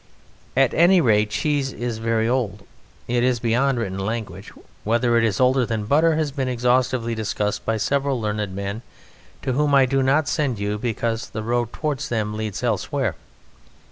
At any rate, cheese is very old. It is beyond written language. Whether it is older than butter has been exhaustively discussed by several learned men, to whom I do not send you because the road towards them leads elsewhere.